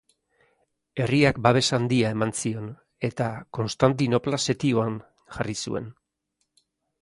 Herriak babes handia eman zion, eta Konstantinopla setioan jarri zuen.